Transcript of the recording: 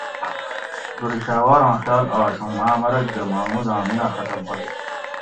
دُرشھواران خیال آش اوُں ماں مرگ دہ محموداں مینہ ختم ھوئ